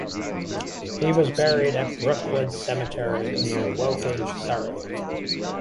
He was buried at Brookwood Cemetery near Woking, Surrey.